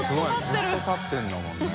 ずっと立ってるんだもんね。）